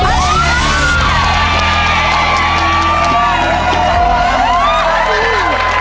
ถูก